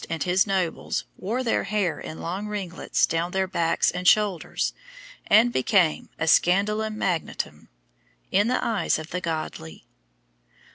and his nobles wore their hair in long ringlets down their backs and shoulders, and became a scandalum magnatum in the eyes of the godly.